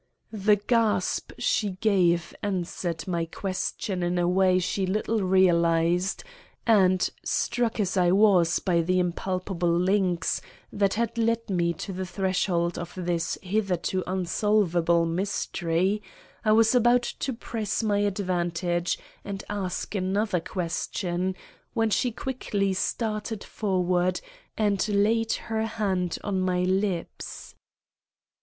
The gasp she gave answered my question in a way she little realized, and, struck as I was by the impalpable links that had led me to the threshold of this hitherto unsolvable mystery, I was about to press my advantage and ask another question, when she quickly started forward and laid her hand on my lips.